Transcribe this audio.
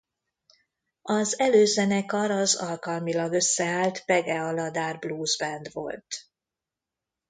Az előzenekar az alkalmilag összeállt Pege Aladár Blues Band volt.